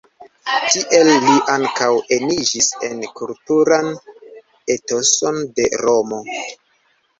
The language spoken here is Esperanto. Tiel li ankaŭ eniĝis en kulturan etoson de Romo.